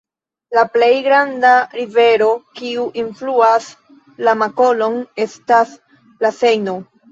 La plej granda rivero kiu enfluas la markolon estas la Sejno.